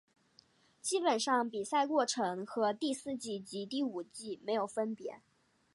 基本上比赛过程和第四季及第五季没有分别。